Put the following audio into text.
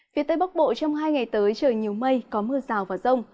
phía tây bắc bộ trong hai ngày tới trời nhiều mây có mưa rào và rông